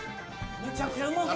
めちゃくちゃうまそう！